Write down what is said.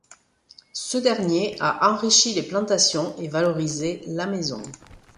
Ce dernier a enrichi les plantations et valorisé la maison.